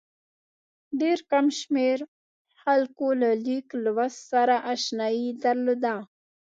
ډېر کم شمېر خلکو له لیک لوست سره اشنايي درلوده.